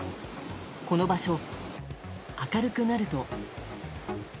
この場所、明るくなると。